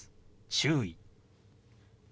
「注意」。